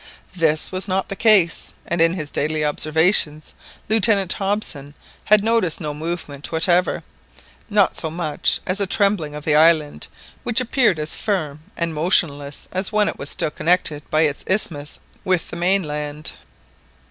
This was not the case, and in his daily observations Lieutenant Hobson had noticed no movement whatever, not so much as a trembling of the island, which appeared as firm and motionless as when it was still connected by its isthmus with the mainland.